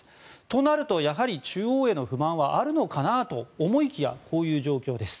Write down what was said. となると中央への不満はあるのかなと思いきやこういう状況です。